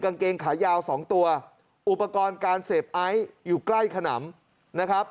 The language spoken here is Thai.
กางเกงขายาวสองตัวอุปกรณ์การเสพไอซ์อยู่ใกล้ขนำนะครับ